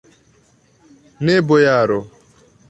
Ne, bojaro.